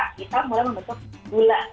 kita mulai membentuk gula